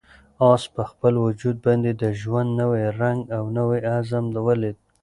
آس په خپل وجود باندې د ژوند نوی رنګ او نوی عزم ولید.